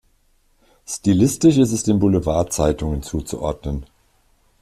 Stilistisch ist es den Boulevardzeitungen zuzuordnen.